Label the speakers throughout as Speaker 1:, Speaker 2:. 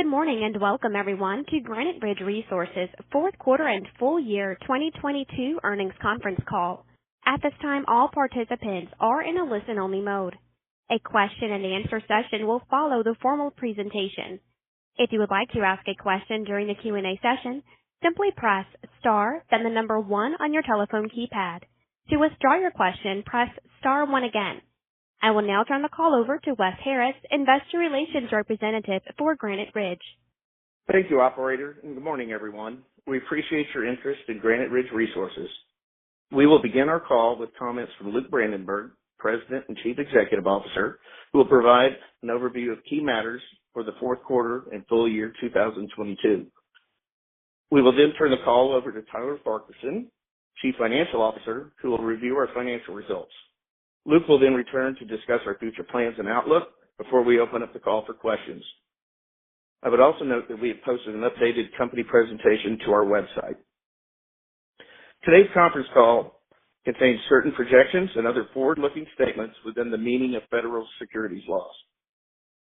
Speaker 1: Good morning, welcome everyone to Granite Ridge Resources fourth quarter and full year 2022 earnings conference call. At this time, all participants are in a listen-only mode. A question and answer session will follow the formal presentation. If you would like to ask a question during the Q&A session, simply press star, then the number one on your telephone keypad. To withdraw your question, press star one again. I will now turn the call over to Wes Harris, Investor Relations Representative for Granite Ridge.
Speaker 2: Thank you, operator. Good morning, everyone. We appreciate your interest in Granite Ridge Resources. We will begin our call with comments from Luke Brandenberger, President and Chief Executive Officer, who will provide an overview of key matters for the fourth quarter and full year 2022. We will then turn the call over to Tyler Farquharson, Chief Financial Officer, who will review our financial results. Luke will then return to discuss our future plans and outlook before we open up the call for questions. I would also note that we have posted an updated company presentation to our website. Today's conference call contains certain projections and other forward-looking statements within the meaning of federal securities laws.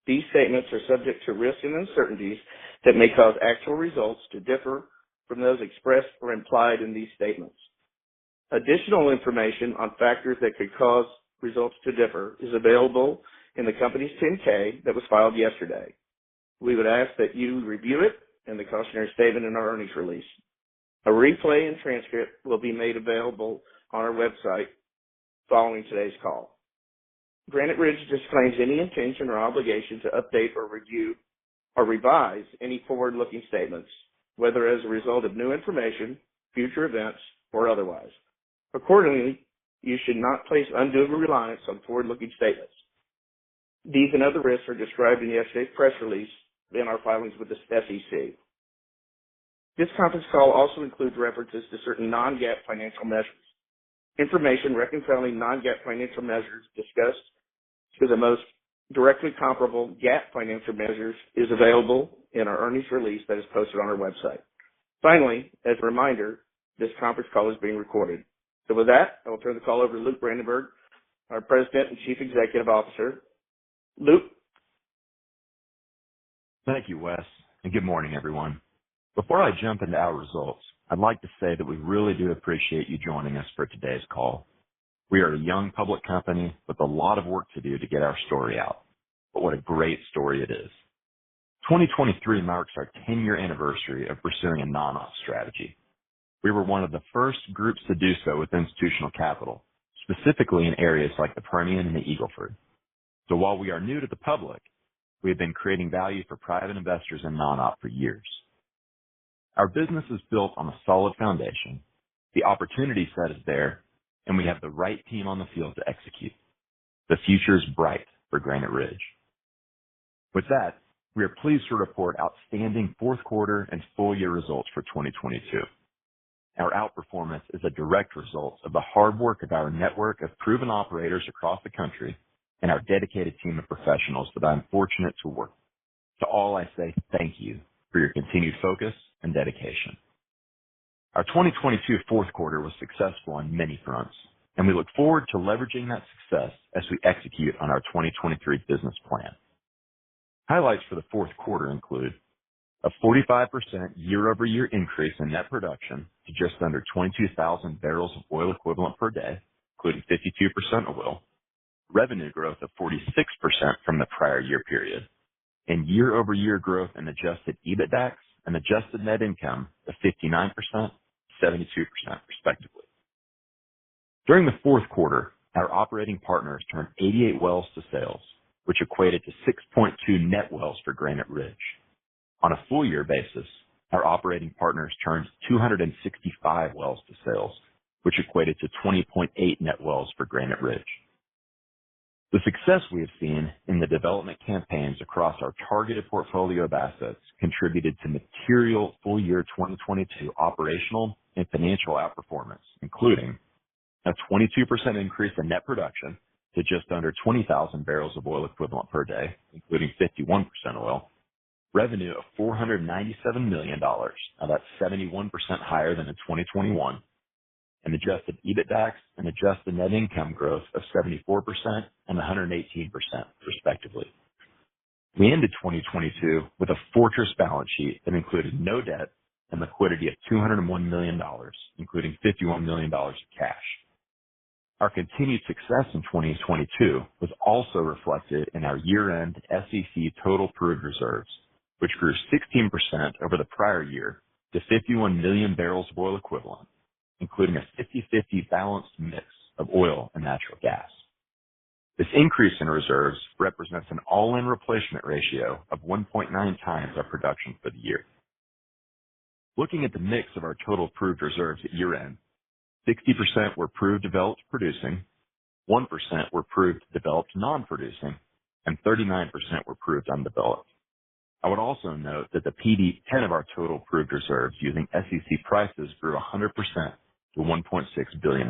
Speaker 2: These statements are subject to risks and uncertainties that may cause actual results to differ from those expressed or implied in these statements. Additional information on factors that could cause results to differ is available in the company's 10-K that was filed yesterday. We would ask that you review it and the cautionary statement in our earnings release. A replay and transcript will be made available on our website following today's call. Granite Ridge disclaims any intention or obligation to update or review or revise any forward-looking statements, whether as a result of new information, future events, or otherwise. Accordingly, you should not place undue reliance on forward-looking statements. These and other risks are described in yesterday's press release in our filings with the SEC. This conference call also includes references to certain non-GAAP financial measures. Information reconciling non-GAAP financial measures discussed to the most directly comparable GAAP financial measures is available in our earnings release that is posted on our website. Finally, as a reminder, this conference call is being recorded. With that, I will turn the call over to Luke Brandenberger, our President and Chief Executive Officer. Luke.
Speaker 3: Thank you, Wes. Good morning, everyone. Before I jump into our results, I'd like to say that we really do appreciate you joining us for today's call. What a great story it is. 2023 marks our 10-year anniversary of pursuing a non-op strategy. We were one of the first groups to do so with institutional capital, specifically in areas like the Permian and the Eagle Ford. While we are new to the public, we have been creating value for private investors in non-op for years. Our business is built on a solid foundation. The opportunity set is there, and we have the right team on the field to execute. The future is bright for Granite Ridge. We are pleased to report outstanding fourth quarter and full year results for 2022. Our outperformance is a direct result of the hard work of our network of proven operators across the country and our dedicated team of professionals that I'm fortunate to work with. To all I say thank you for your continued focus and dedication. Our 2022 fourth quarter was successful on many fronts, and we look forward to leveraging that success as we execute on our 2023 business plan. Highlights for the fourth quarter include a 45% year-over-year increase in net production to just under 22,000 barrels of oil equivalent per day, including 52% of oil, revenue growth of 46% from the prior year period, and year-over-year growth in Adjusted EBITDAX and adjusted net income of 59%, 72% respectively. During the fourth quarter, our operating partners turned 88 wells to sales, which equated to 6.2 net wells for Granite Ridge. A full year basis, our operating partners turned 265 wells to sales, which equated to 20.8 net wells for Granite Ridge. The success we have seen in the development campaigns across our targeted portfolio of assets contributed to material full year 2022 operational and financial outperformance, including a 22% increase in net production to just under 20,000 barrels of oil equivalent per day, including 51% oil, revenue of $497 million, about 71% higher than in 2021, and Adjusted EBITDAX and adjusted net income growth of 74% and 118% respectively. We ended 2022 with a fortress balance sheet that included no debt and liquidity of $201 million, including $51 million of cash. Our continued success in 2022 was also reflected in our year-end SEC total proved reserves, which grew 16% over the prior year to 51 million barrels of oil equivalent, including a 50/50 balanced mix of oil and natural gas. Looking at the mix of our total proved reserves at year-end, 60% were proved developed producing, 1% were proved developed non-producing, and 39% were proved undeveloped. I would also note that the PV-10 of our total proved reserves using SEC prices grew 100% to $1.6 billion.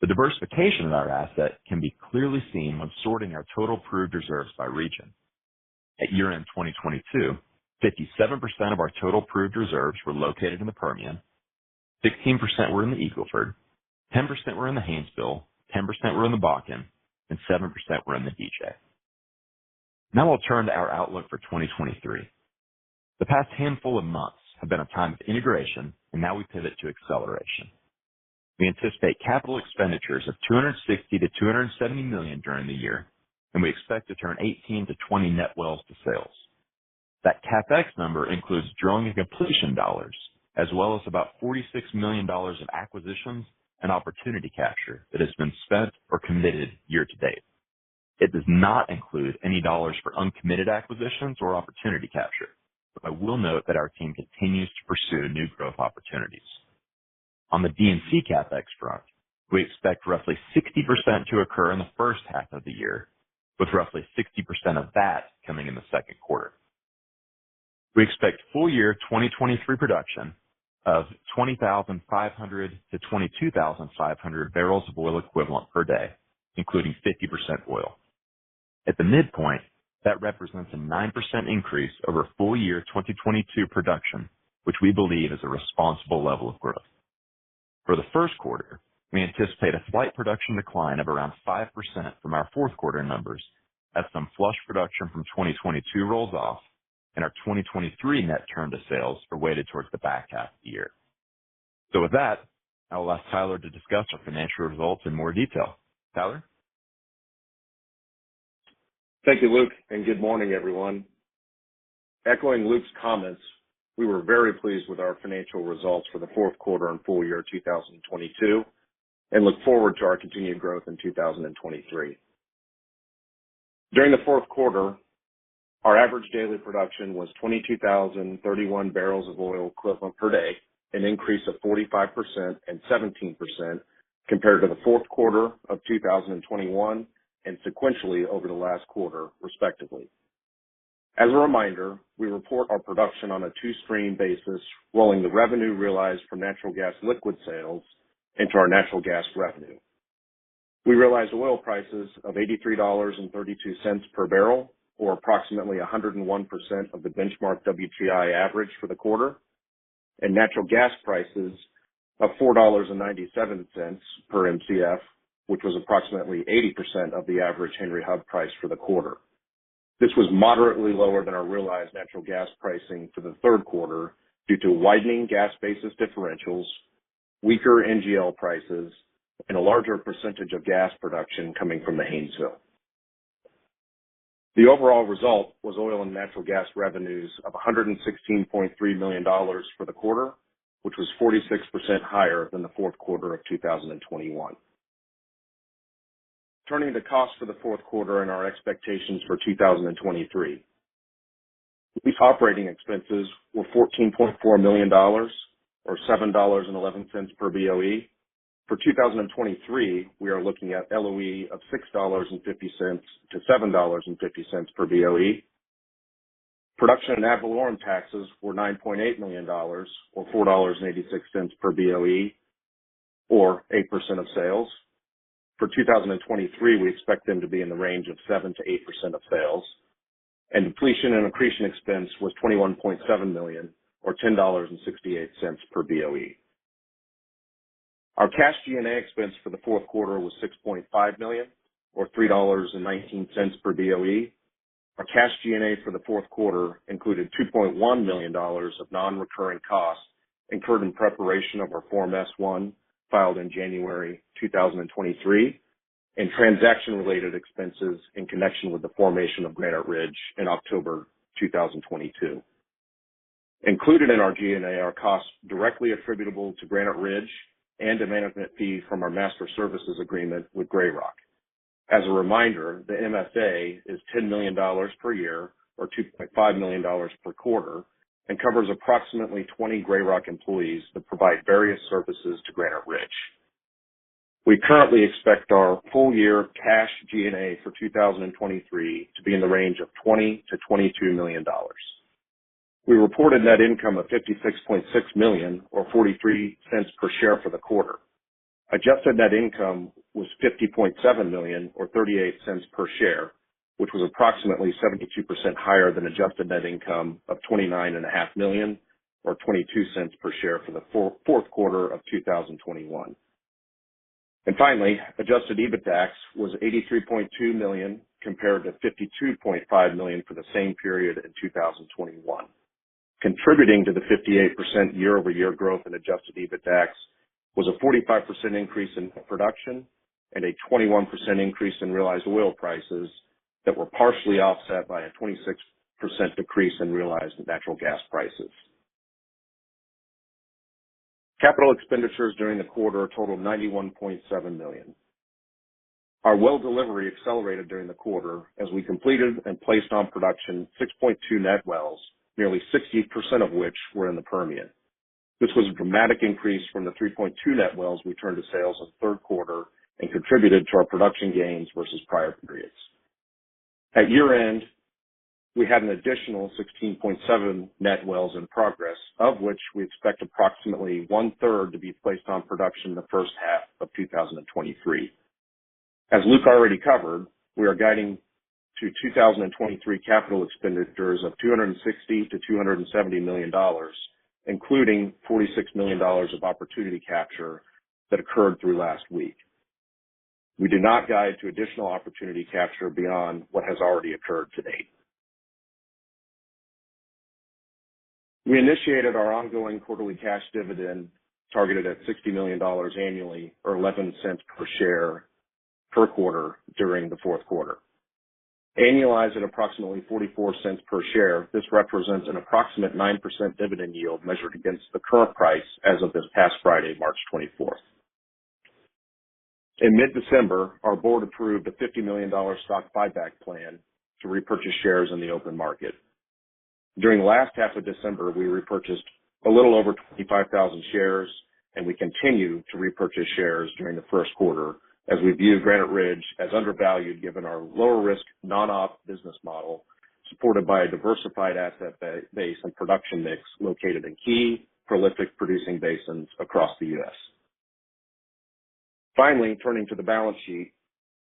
Speaker 3: The diversification of our assets can be clearly seen when sorting our total proved reserves by region. At year-end 2022, 57% of our total proved reserves were located in the Permian. 16% were in the Eagle Ford, 10% were in the Haynesville, 10% were in the Bakken, and 7% were in the DJ. We'll turn to our outlook for 2023. The past handful of months have been a time of integration, and now we pivot to acceleration. We anticipate capital expenditures of $260 million-$270 million during the year, and we expect to turn 18 to 20 net wells to sales. That CapEx number includes drilling and completion dollars, as well as about $46 million of acquisitions and opportunity capture that has been spent or committed year to date. It does not include any dollar for uncommitted acquisitions or opportunity capture. I will note that our team continues to pursue new growth opportunities. On the D&C CapEx front, we expect roughly 60% to occur in the first half of the year, with roughly 60% of that coming in the second quarter. We expect full year 2023 production of 20,500-22,500 barrels of oil equivalent per day, including 50% oil. At the midpoint, that represents a 9% increase over full year 2022 production, which we believe is a responsible level of growth. For the first quarter, we anticipate a slight production decline of around 5% from our fourth quarter numbers as some flush production from 2022 rolls off and our 2023 net turn to sales are weighted towards the back half of the year. With that, I will ask Tyler to discuss our financial results in more detail. Tyler?
Speaker 4: Thank you, Luke. Good morning, everyone. Echoing Luke's comments, we were very pleased with our financial results for the fourth quarter and full year 2022. We look forward to our continued growth in 2023. During the fourth quarter, our average daily production was 22,031 barrels of oil equivalent per day, an increase of 45% and 17% compared to the fourth quarter of 2021 and sequentially over the last quarter, respectively. As a reminder, we report our production on a two-stream basis, rolling the revenue realized from natural gas liquid sales into our natural gas revenue. We realized oil prices of $83.32 per barrel, or approximately 101% of the benchmark WTI average for the quarter, and natural gas prices of $4.97 per Mcf, which was approximately 80% of the average Henry Hub price for the quarter. This was moderately lower than our realized natural gas pricing for the third quarter due to widening gas basis differentials, weaker NGL prices, and a larger percentage of gas production coming from the Haynesville. The overall result was oil and natural gas revenues of $116.3 million for the quarter, which was 46% higher than the fourth quarter of 2021. Turning to cost for the fourth quarter and our expectations for 2023. These operating expenses were $14.4 million or $7.11 per BOE. For 2023, we are looking at LOE of $6.50-$7.50 per BOE. Production and ad valorem taxes were $9.8 million or $4.86 per BOE, or 8% of sales. For 2023, we expect them to be in the range of 7%-8% of sales. Depletion and accretion expense was $21.7 million or $10.68 per BOE. Our cash G&A expense for the fourth quarter was $6.5 million or $3.19 per BOE. Our cash G&A for the fourth quarter included $2.1 million of non-recurring costs incurred in preparation of our Form S-1 filed in January 2023, transaction related expenses in connection with the formation of Granite Ridge in October 2022. Included in our G&A are costs directly attributable to Granite Ridge and a management fee from our master services agreement with Grey Rock. As a reminder, the MSA is $10 million per year or $2.5 million per quarter and covers approximately 20 Grey Rock employees that provide various services to Granite Ridge. We currently expect our full year cash G&A for 2023 to be in the range of $20 million-$22 million. We reported net income of $56.6 million or $0.43 per share for the quarter. Adjusted Net Income was $50.7 million or $0.38 per share, which was approximately 72% higher than Adjusted Net Income of $29.5 million Or $0.22 per share for the fourth quarter of 2021. Finally, Adjusted EBITDAX was $83.2 million compared to $52.5 million for the same period in 2021. Contributing to the 58% year-over-year growth in Adjusted EBITDAX was a 45% increase in production and a 21% increase in realized oil prices that were partially offset by a 26% decrease in realized natural gas prices. Capital expenditures during the quarter totaled $91.7 million. Our well delivery accelerated during the quarter as we completed and placed on production 6.2 net wells, nearly 60% of which were in the Permian. This was a dramatic increase from the 3.2 net wells we turned to sales in the third quarter and contributed to our production gains versus prior periods. At year-end, we had an additional 16.7 net wells in progress, of which we expect approximately 1/3 to be placed on production in the first half of 2023. As Luke already covered, we are guiding to 2023 capital expenditures of $260 million-$270 million, including $46 million of opportunity capture that occurred through last week. We do not guide to additional opportunity capture beyond what has already occurred to date. We initiated our ongoing quarterly cash dividend targeted at $60 million annually, or $0.11 per share per quarter during the fourth quarter. Annualized at approximately $0.44 per share, this represents an approximate 9% dividend yield measured against the current price as of this past Friday, March 24th. In mid-December, our board approved a $50 million stock buyback plan to repurchase shares in the open market. During the last half of December, we repurchased a little over 25,000 shares, and we continue to repurchase shares during the first quarter as we view Granite Ridge as undervalued given our lower risk non-op business model, supported by a diversified asset base and production mix located in key prolific producing basins across the U.S. Finally, turning to the balance sheet.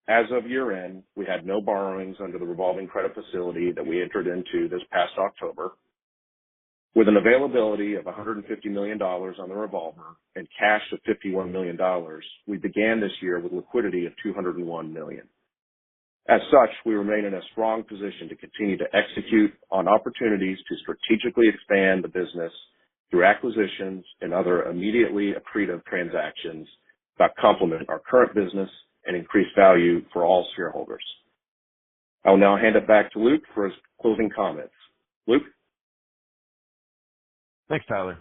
Speaker 4: As of year-end, we had no borrowings under the revolving credit facility that we entered into this past October. With an availability of $150 million on the revolver and cash of $51 million, we began this year with liquidity of $201 million. As such, we remain in a strong position to continue to execute on opportunities to strategically expand the business through acquisitions and other immediately accretive transactions that complement our current business and increase value for all shareholders. I will now hand it back to Luke for his closing comments. Luke?
Speaker 3: Thanks, Tyler.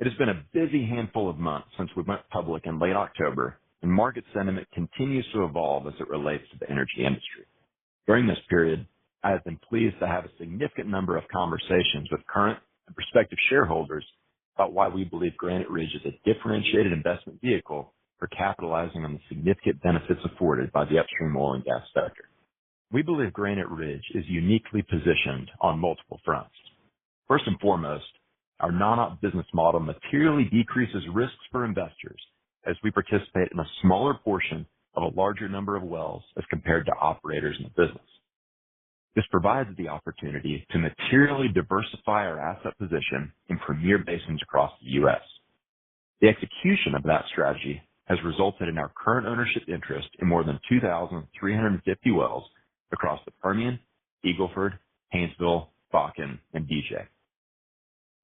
Speaker 3: It has been a busy handful of months since we went public in late October, and market sentiment continues to evolve as it relates to the energy industry. During this period, I have been pleased to have a significant number of conversations with current and prospective shareholders about why we believe Granite Ridge is a differentiated investment vehicle for capitalizing on the significant benefits afforded by the upstream oil and gas sector. We believe Granite Ridge is uniquely positioned on multiple fronts. First and foremost, our non-op business model materially decreases risks for investors as we participate in a smaller portion of a larger number of wells as compared to operators in the business. This provides the opportunity to materially diversify our asset position in premier basins across the U.S. The execution of that strategy has resulted in our current ownership interest in more than 2,350 wells across the Permian, Eagle Ford, Haynesville, Bakken, and DJ.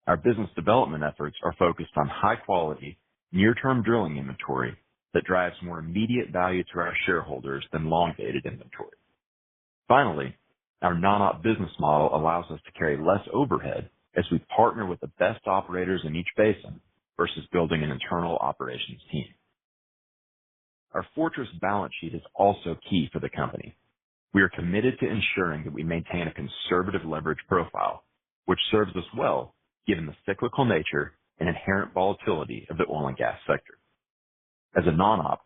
Speaker 3: Our business development efforts are focused on high quality, near-term drilling inventory that drives more immediate value to our shareholders than long-dated inventory. Finally, our non-op business model allows us to carry less overhead as we partner with the best operators in each basin versus building an internal operations team. Our fortress balance sheet is also key for the company. We are committed to ensuring that we maintain a conservative leverage profile, which serves us well given the cyclical nature and inherent volatility of the oil and gas sector. As a non-op,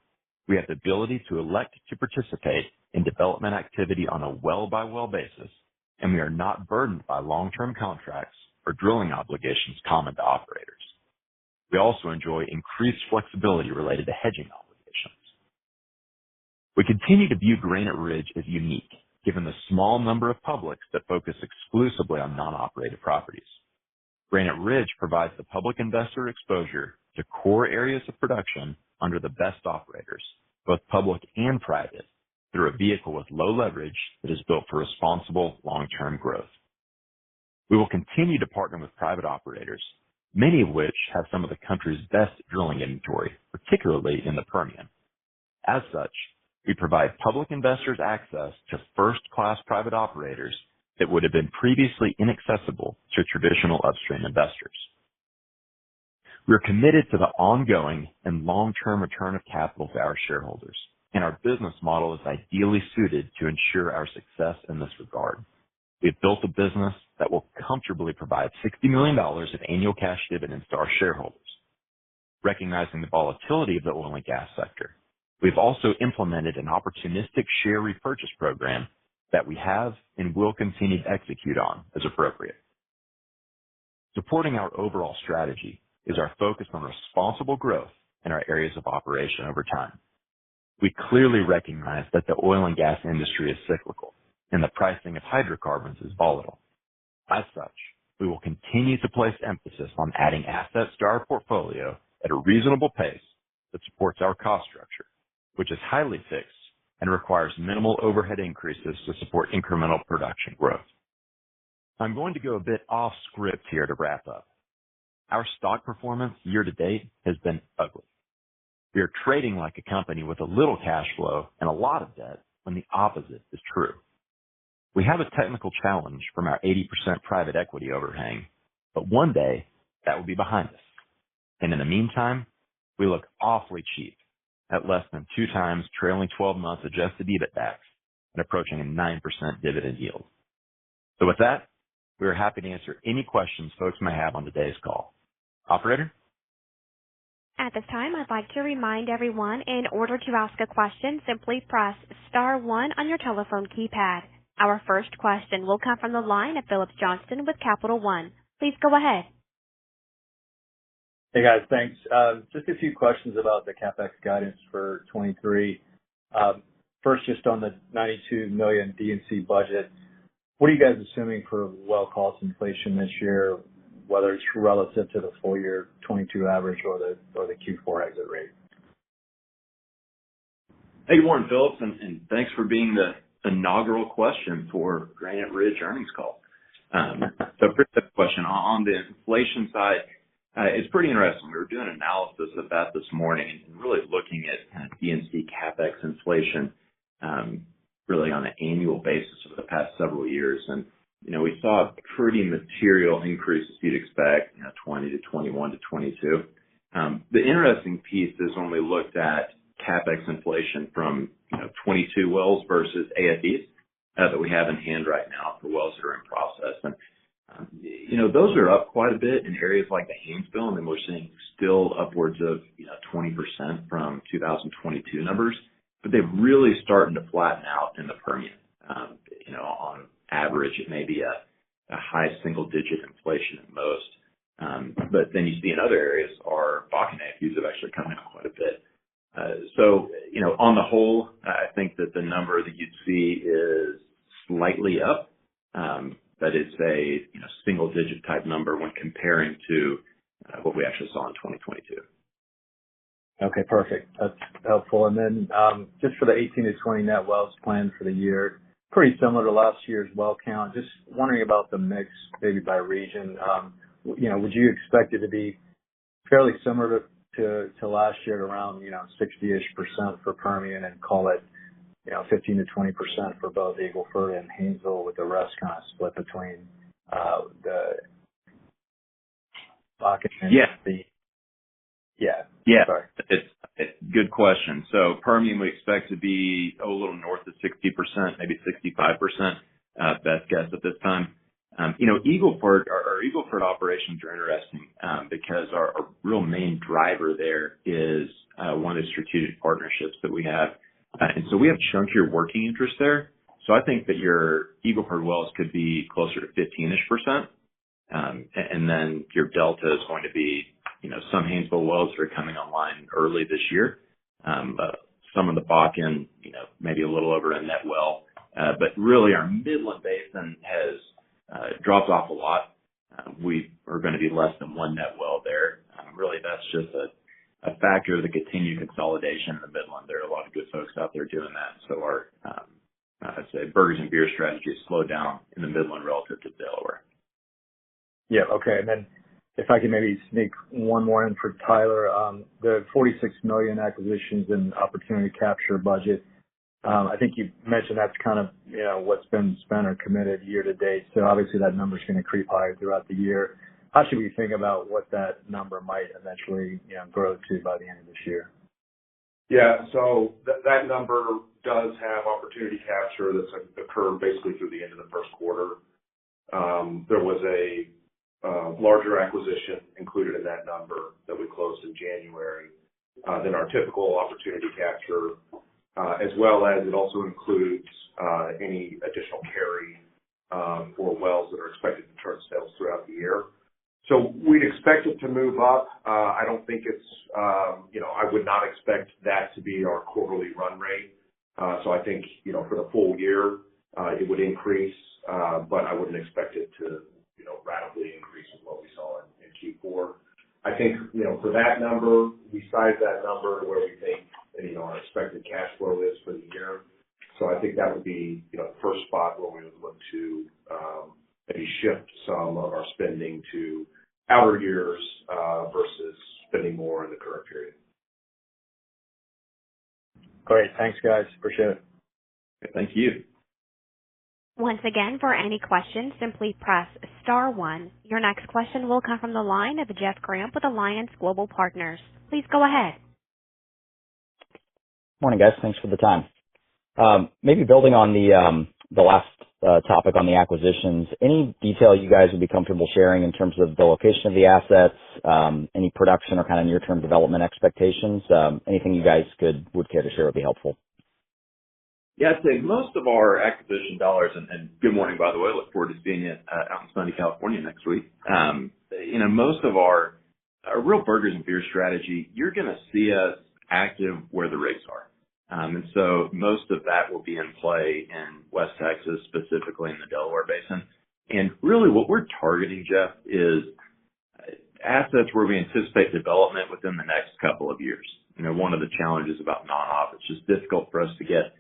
Speaker 3: we have the ability to elect to participate in development activity on a well-by-well basis. We are not burdened by long-term contracts or drilling obligations common to operators. We also enjoy increased flexibility related to hedging obligations. We continue to view Granite Ridge as unique, given the small number of publics that focus exclusively on non-operated properties. Granite Ridge provides the public investor exposure to core areas of production under the best operators, both public and private, through a vehicle with low leverage that is built for responsible long-term growth. We will continue to partner with private operators, many of which have some of the country's best drilling inventory, particularly in the Permian. As such, we provide public investors access to first-class private operators that would have been previously inaccessible to traditional upstream investors. We are committed to the ongoing and long-term return of capital to our shareholders, and our business model is ideally suited to ensure our success in this regard. We have built a business that will comfortably provide $60 million in annual cash dividends to our shareholders. Recognizing the volatility of the oil and gas sector, we've also implemented an opportunistic share repurchase program that we have and will continue to execute on as appropriate. Supporting our overall strategy is our focus on responsible growth in our areas of operation over time. We clearly recognize that the oil and gas industry is cyclical and the pricing of hydrocarbons is volatile. As such, we will continue to place emphasis on adding assets to our portfolio at a reasonable pace that supports our cost structure, which is highly fixed and requires minimal overhead increases to support incremental production growth. I'm going to go a bit off script here to wrap up. Our stock performance year to date has been ugly. We are trading like a company with a little cash flow and a lot of debt when the opposite is true. We have a technical challenge from our 80% private equity overhang, but one day, that will be behind us. In the meantime, we look awfully cheap at less than 2x trailing 12 months Adjusted EBITDA and approaching a 9% dividend yield. With that, we are happy to answer any questions folks may have on today's call. Operator?
Speaker 1: At this time, I'd like to remind everyone in order to ask a question, simply press star one on your telephone keypad. Our first question will come from the line of Phillips Johnston with Capital One. Please go ahead.
Speaker 5: Hey guys, thanks. Just a few questions about the CapEx guidance for 2023. First, just on the $92 million D&C budget, what are you guys assuming for well cost inflation this year, whether it's relative to the full year 2022 average or the Q4 exit rate?
Speaker 3: Hey, Good morning, Phillips. Thanks for being the inaugural question for Granite Ridge earnings call. First question. On the inflation side, it's pretty interesting. We were doing analysis of that this morning and really looking at kind of D&C CapEx inflation, really on an annual basis over the past several years. You know, we saw pretty material increases you'd expect, you know, 2020 to 2021 to 2022. The interesting piece is when we looked at CapEx inflation from, you know, 2022 wells versus AFEs that we have in hand right now for wells that are in process. You know, those are up quite a bit in areas like the Haynesville. I mean, we're seeing still upwards of, you know, 20% from 2022 numbers. They're really starting to flatten out in the Permian. You know, on average, it may be a high single digit inflation at most. You see in other areas, our Bakken AFEs have actually come down quite a bit. You know, on the whole, I think that the number that you'd see is slightly up, but it's a, you know, single digit type number when comparing to what we actually saw in 2022.
Speaker 5: Okay, perfect. That's helpful. Then, just for the 18 to 20 net wells planned for the year, pretty similar to last year's well count. Just wondering about the mix maybe by region. you know, would you expect it to be fairly similar to last year at around, you know, 60-ish% for Permian and call it, you know, 15%-20% for both Eagle Ford and Haynesville, with the rest kind of split between the Bakken and.
Speaker 3: Yeah.
Speaker 5: Yeah.
Speaker 3: Yeah.
Speaker 5: Sorry.
Speaker 3: It's a good question. Permian, we expect to be a little north of 60%-65%, best guess at this time. You know, our Eagle Ford operations are interesting because our real main driver there is one of the strategic partnerships that we have. We have chunkier working interest there. I think that your Eagle Ford wells could be closer to 15-ish%. Your delta is going to be, you know, some Haynesville wells that are coming online early this year. Some of the Bakken, you know, may be a little over one net well. Really our Midland Basin has dropped off a lot. We are gonna be less than one net well there. Really that's just a factor of the continued consolidation in the Midland. There are a lot of good folks out there doing that. Our I'd say burgers and beer strategy has slowed down in the Midland relative to Delaware.
Speaker 5: Yeah. Okay. Then if I could maybe sneak one more in for Tyler. The $46 million acquisitions and opportunity capture budget, I think you've mentioned that's kind of, you know, what's been spent or committed year to date. Obviously that number's gonna creep higher throughout the year. How should we think about what that number might eventually, you know, grow to by the end of this year?
Speaker 4: That number does have opportunity capture that's occurred basically through the end of the first quarter. There was a larger acquisition included in that number that we closed in January than our typical opportunity capture. As well as it also includes any additional carry for wells that are expected to turn sales throughout the year. We'd expect it to move up. I don't think it's. You know, I would not expect that to be our quarterly run rate. I think, you know, for the full year, it would increase, but I wouldn't expect it to, you know, rapidly increase from what we saw in Q4. I think, you know, for that number, we size that number to where we think, you know, our expected cash flow is for the year. I think that would be, you know, the first spot where we would look to, maybe shift some of our spending to outer years, versus spending more in the current period.
Speaker 5: Great. Thanks, guys. Appreciate it.
Speaker 3: Thank you.
Speaker 1: Once again, for any questions, simply press star one. Your next question will come from the line of Jeff Grampp with Alliance Global Partners. Please go ahead.
Speaker 6: Morning, guys. Thanks for the time. Maybe building on the last, topic on the acquisitions. Any detail you guys would be comfortable sharing in terms of the location of the assets, any production or kind of near-term development expectations? Anything you guys would care to share would be helpful.
Speaker 3: Yeah. I'd say most of our acquisition dollars. Good morning, by the way. Look forward to seeing you out in Sunny California next week. You know, most of our real burgers and beer strategy, you're gonna see us active where the rates are. Most of that will be in play in West Texas, specifically in the Delaware Basin. Really what we're targeting, Jeff, is assets where we anticipate development within the next two years. You know, one of the challenges about non-op, it's just difficult for us to get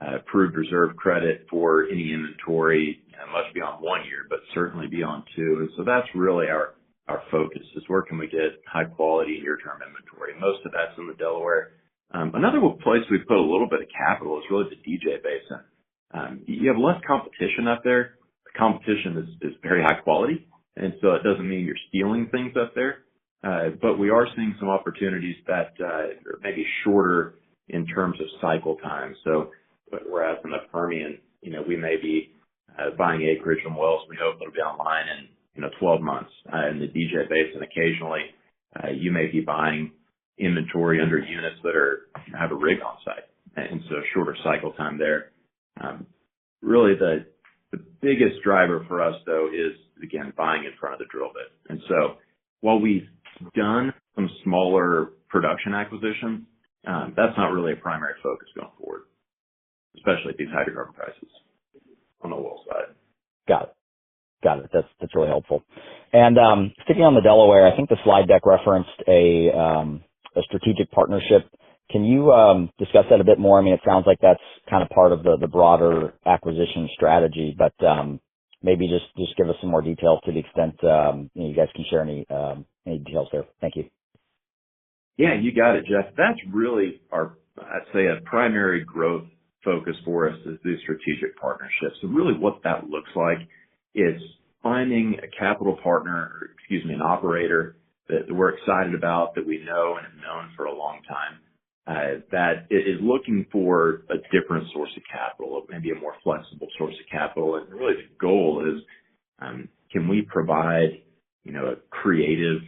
Speaker 3: approved reserve credit for any inventory much beyond 1 year, but certainly beyond two. That's really our focus, is where can we get high quality near-term inventory. Most of that's in the Delaware. Another place we've put a little bit of capital is really the DJ Basin. You have less competition up there. The competition is very high quality, and so it doesn't mean you're stealing things up there. We are seeing some opportunities that are maybe shorter in terms of cycle time. Whereas in the Permian, you know, we may be buying acreage from wells we hope will be online in, you know, 12 months, in the DJ Basin, occasionally, you may be buying inventory under units that have a rig on site. Shorter cycle time there. Really the biggest driver for us though is, again, buying in front of the drill bit. While we've done some smaller production acquisitions, that's not really a primary focus going forward, especially at these higher carbon prices on the oil side.
Speaker 6: Got it. Got it. That's really helpful. Sticking on the Delaware, I think the slide deck referenced a strategic partnership. Can you discuss that a bit more? I mean, it sounds like that's kinda part of the broader acquisition strategy, but maybe just give us some more detail to the extent you guys can share any details there. Thank you.
Speaker 3: Yeah, you got it, Jeff. That's really our, I'd say, a primary growth focus for us is through strategic partnerships. Really what that looks like is finding an operator that we're excited about, that we know and have known for a long time, that is looking for a different source of capital, maybe a more flexible source of capital. Really the goal is, can we provide, you know, a creative,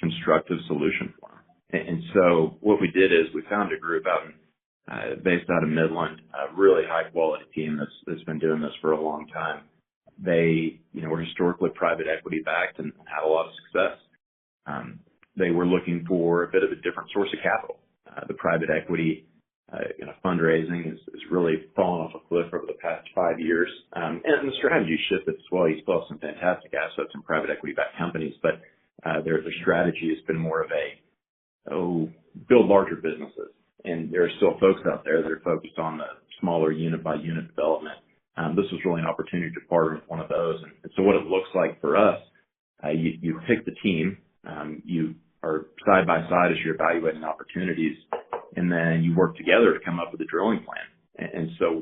Speaker 3: constructive solution for them? What we did is we found a group out in, based out of Midland, a really high-quality team that's been doing this for a long time. They, you know, were historically private equity-backed and had a lot of success. They were looking for a bit of a different source of capital. The private equity, you know, fundraising has really fallen off a cliff over the past five years. The strategy shifted as well. You saw some fantastic assets in private equity-backed companies, their strategy has been more of a, build larger businesses. There are still folks out there that are focused on the smaller unit-by-unit development. This was really an opportunity to partner with one of those. What it looks like for us, you pick the team, you are side by side as you're evaluating opportunities, you work together to come up with a drilling plan.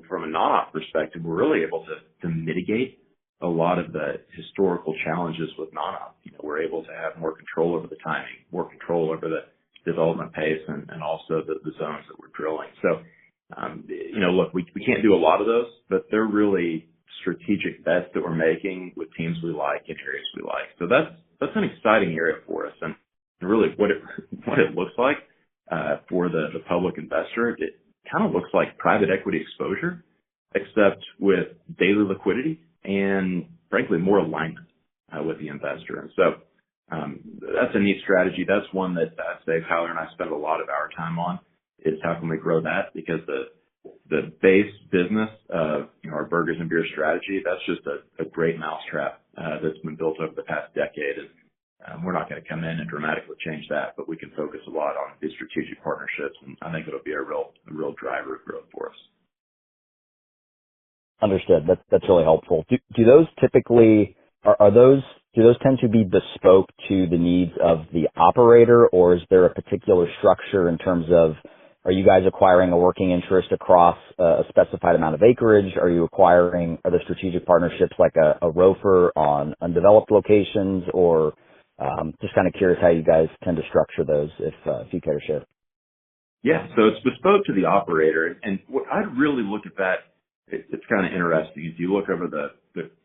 Speaker 3: From a non-op perspective, we're really able to mitigate a lot of the historical challenges with non-op. You know, we're able to have more control over the timing, more control over the development pace and also the zones that we're drilling. You know, look, we can't do a lot of those, but they're really strategic bets that we're making with teams we like in areas we like. That's an exciting area for us. Really what it looks like for the public investor, it kinda looks like private equity exposure, except with daily liquidity and frankly, more alignment with the investor. That's a neat strategy. That's one that Dave Keller and I spend a lot of our time on, is how can we grow that? Because the base business of, you know, our burgers-and-beer strategy, that's just a great mousetrap that's been built over the past decade. We're not gonna come in and dramatically change that, but we can focus a lot on these strategic partnerships, and I think it'll be a real driver of growth for us.
Speaker 6: Understood. That's really helpful. Do those tend to be bespoke to the needs of the operator, or is there a particular structure in terms of are you guys acquiring a working interest across a specified amount of acreage? Are you acquiring other strategic partnerships like a ROFR on undeveloped locations? Just kinda curious how you guys tend to structure those, if you care to share.
Speaker 3: Yeah, it's bespoke to the operator. What I'd really look at that, it's kinda interesting. If you look over the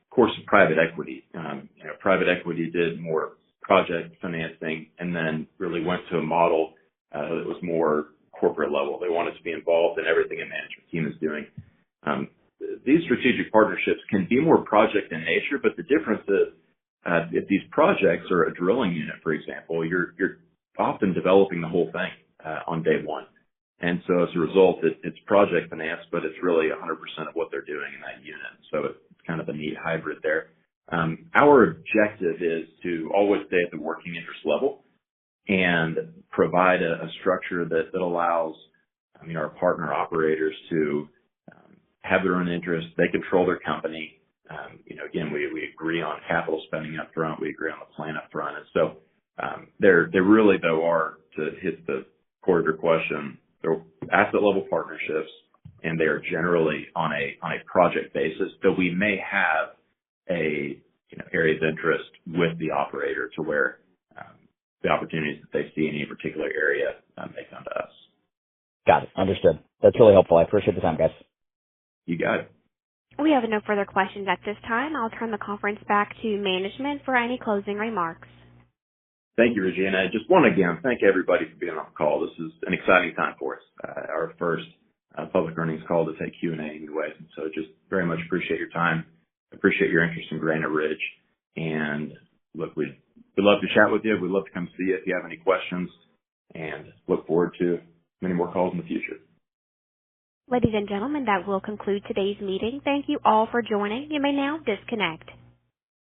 Speaker 3: course of private equity, you know, private equity did more project financing and then really went to a model that was more corporate level. They wanted to be involved in everything a management team is doing. These strategic partnerships can be more project in nature, but the difference is, if these projects are a drilling unit, for example, you're often developing the whole thing on day one. As a result, it's project finance, but it's really 100% of what they're doing in that unit. It's kind of a neat hybrid there. Our objective is to always stay at the working interest level and provide a structure that allows, I mean, our partner operators to have their own interests. They control their company. You know, again, we agree on capital spending up front. We agree on the plan up front. They really, though, are, to hit the core of your question, they're asset-level partnerships, and they are generally on a project basis. Though we may have a, you know, areas interest with the operator to where the opportunities that they see in a particular area, they come to us.
Speaker 6: Got it. Understood. That's really helpful. I appreciate the time, guys.
Speaker 3: You got it.
Speaker 1: We have no further questions at this time. I'll turn the conference back to management for any closing remarks.
Speaker 3: Thank you, Regina. I just wanna again thank everybody for being on the call. This is an exciting time for us. Our first public earnings call to take Q&A anyway. Just very much appreciate your time. Appreciate your interest in Granite Ridge. Look, we'd love to chat with you. We'd love to come see you if you have any questions, and look forward to many more calls in the future.
Speaker 1: Ladies and gentlemen, that will conclude today's meeting. Thank you all for joining. You may now disconnect.